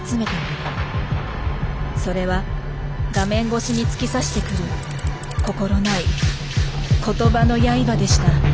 それは画面ごしに突き刺してくる心ない言葉のやいばでした。